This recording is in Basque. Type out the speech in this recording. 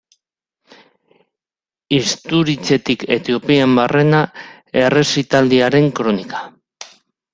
Isturitzetik Etiopian barrena errezitaldiaren kronika.